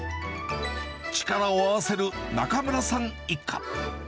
力を合わせる中村さん一家。